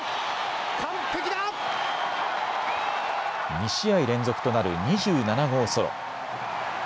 ２試合連続となる２７号ソロ。